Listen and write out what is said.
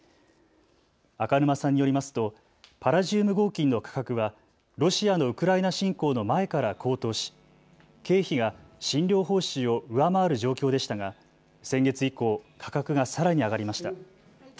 赤沼さんによりますとパラジウム合金の価格はロシアのウクライナ侵攻の前から高騰し経費が診療報酬を上回る状況でしたが先月以降、価格がさらに上がりました。